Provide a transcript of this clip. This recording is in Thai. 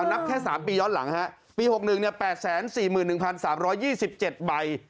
เอานับแค่๓ปีย้อนหลังฮะปี๖๑เนี่ย๘๔๑๓๒๗ใบ